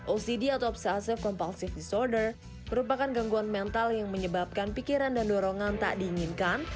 ocd atau obsesive compalsive disorder merupakan gangguan mental yang menyebabkan pikiran dan dorongan tak diinginkan